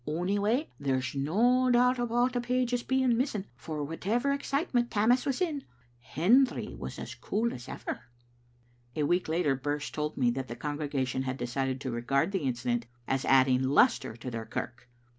Onyway, there's no doubt about the page's being missing, for whatever ex citement Tammas was in, Hendry was as cool as ever.'" A week later Birse told me that the congregation had decided to regard the incident as adding lustre to their kirk.